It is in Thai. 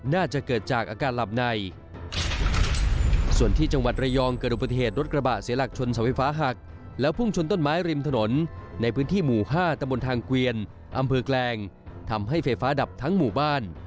ในพื้นที่หมู่๕ตะบนทางเกวียนอำเภอกแหลงทำให้เฟฟ้าดับทั้งหมู่บ้าน